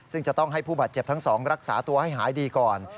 ซึ่งจะต้องให้ผู้บาดเจ็บทั้งสองรักษาตัวให้หายดีก่อน